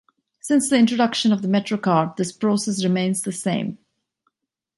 Since the introduction of the MetroCard, this process remains the same.